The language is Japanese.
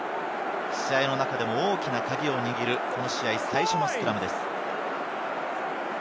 試合の中でも大きなカギを握る最初のスクラムです。